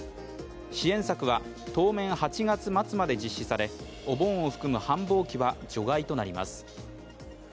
支援策は当面８月末まで実施され、お盆を含む繁忙期は除外となります。